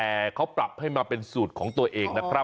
แต่เขาปรับให้มาเป็นสูตรของตัวเองนะครับ